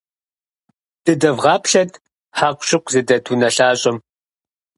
Дыдэвгъаплъэт хьэкъущыкъу зыдэт унэлъащӏэм.